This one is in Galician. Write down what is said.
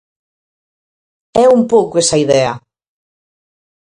É un pouco esa idea.